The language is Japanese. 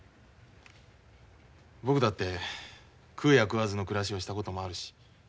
僕だって食うや食わずの暮らしをしたこともあるし